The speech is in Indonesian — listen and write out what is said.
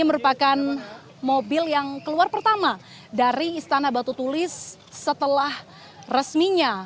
ini merupakan mobil yang keluar pertama dari istana batu tulis setelah resminya